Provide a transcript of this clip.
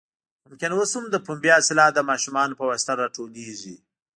ممکن اوس هم د پنبې حاصلات د ماشومانو په واسطه راټولېږي.